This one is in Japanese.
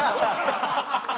ハハハハハ。